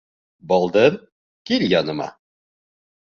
Балдыҙ, кил яныма!